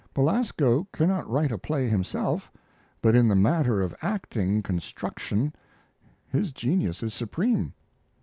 Belasco cannot write a play himself, but in the matter of acting construction his genius is supreme."